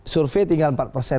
survei tinggal empat persen